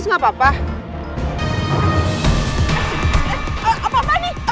tentang apa yang kamu lakukan tadi